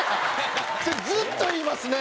それずっと言いますね。